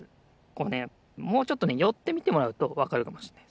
こうねもうちょっとねよってみてもらうとわかるかもしれないです。